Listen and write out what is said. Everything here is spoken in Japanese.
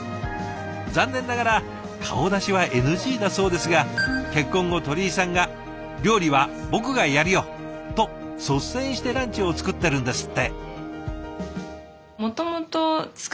残念ながら顔出しはＮＧだそうですが結婚後鳥居さんが「料理は僕がやるよ」と率先してランチを作ってるんですって。